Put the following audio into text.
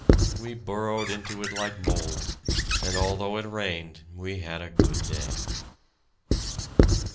We burrowed into it like moles, and although it rained we had a good day.